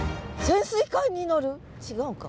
違うか。